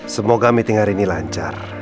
semoga meeting hari ini lancar